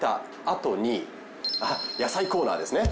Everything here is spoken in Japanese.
あっ野菜コーナーですね。